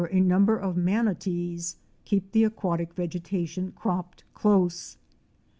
125 a number of manatees keep the aquatic vegetation cropped close.